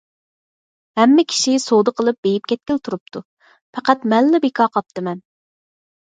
ھەممە كىشى سودا قىلىپ بېيىپ كەتكىلى تۇرۇپتۇ، پەقەت مەنلا بىكار قاپتىمەن.